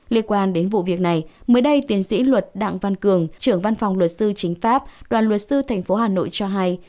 liên quan đến vụ việc này mới đây tiến sĩ luật đặng văn cường trưởng văn phòng luật sư chính pháp đoàn luật sư tp hà nội cho hay